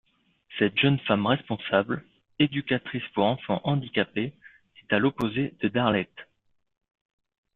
Cette jeune femme responsable, éducatrice pour enfants handicapés, est à l'opposé de Darlette.